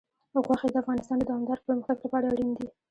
غوښې د افغانستان د دوامداره پرمختګ لپاره اړین دي.